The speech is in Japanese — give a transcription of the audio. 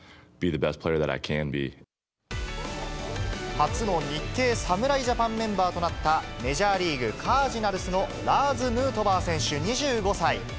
初の日系侍ジャパンメンバーとなった、メジャーリーグ・カージナルスのラーズ・ヌートバー選手２５歳。